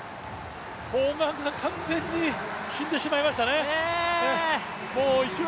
砲丸が完全に死んでしまいましたね。